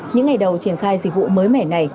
những ngày đầu triển khai dịch vụ mới mẻ này